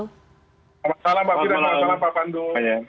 selamat malam mbak fira selamat malam pak pandu